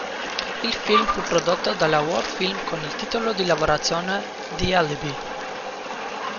Il film fu prodotto dalla World Film con il titolo di lavorazione "The Alibi".